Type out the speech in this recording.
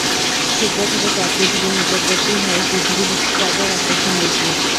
সূর্য থেকে চাঁদ পৃথিবীর নিকটবর্তী হওয়ায় পৃথিবীর ওপর চাঁদের আকর্ষণ বেশি।